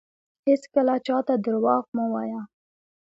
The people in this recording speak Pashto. هیڅکله چاته درواغ مه وایه